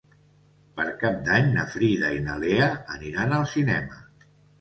Per Cap d'Any na Frida i na Lea aniran al cinema.